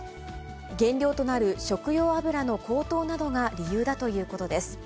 原料となる食用油の高騰などが理由だということです。